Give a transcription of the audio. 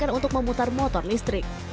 dan juga untuk memutar motor listrik